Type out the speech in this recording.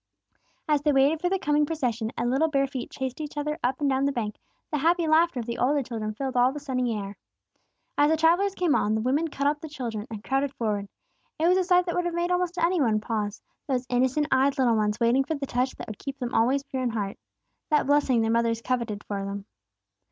As they waited for the coming procession, and little bare feet chased each other up and down the bank, the happy laughter of the older children filled all the sunny air. As the travellers came on, the women caught up their children and crowded forward. It was a sight that would have made almost any one pause, those innocent eyed little ones waiting for the touch that would keep them always pure in heart, that blessing their mothers coveted for them.